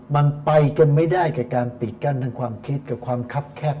มันไปกันไม่ได้กับการปิดกั้นทางความคิดกับความคับแคบ